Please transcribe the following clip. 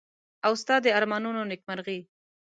او ستا د ارمانونو نېکمرغي.